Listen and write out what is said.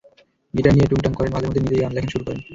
Guitar নিয়ে টুং টাং করেন, মাঝেমধ্যে নিজেই গান লেখেন, সুর করেন।